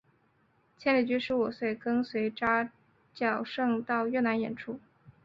千里驹十五岁跟随扎脚胜到越南演出。